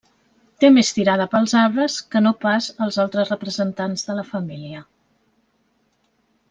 Té més tirada pels arbres que no pas els altres representants de la família.